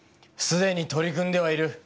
すでに取り組んではいる。